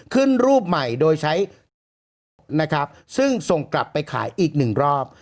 ขึ้นรูปใหม่โดยใช้ทูบนะครับซึ่งส่งกลับไปขายอีกหนึ่งรอบ